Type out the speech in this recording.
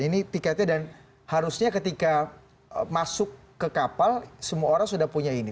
ini tiketnya dan harusnya ketika masuk ke kapal semua orang sudah punya ini